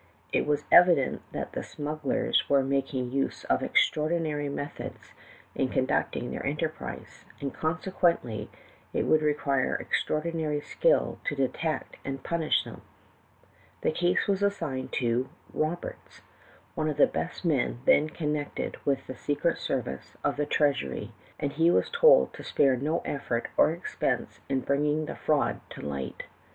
It was evident that the smugglers were making use of extraordinary methods in conducting their enterprise, and consequently it would require extraordinary skill to detect and punish them. The case was assigned to Roberts, one of the best men then connected with the secret service of the treasury, and he was told to Spare no effort or expense in bringing the fraud to light.